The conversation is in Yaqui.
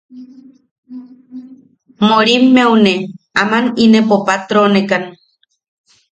Morimmeune aman inepo patronekan.